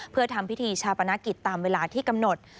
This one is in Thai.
เพื่อทำพิธีชาปนกิจตามเวลาที่กำหนด